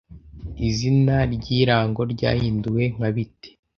Izina ryirango ryahinduwe nka Bite